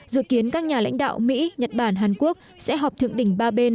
dự kiến các nhà lãnh đạo mỹ nhật bản hàn quốc sẽ họp thượng đỉnh ba bên